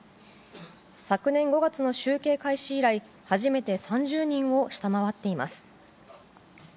昨年５月の集計開始以来初めて３０人を下回っています。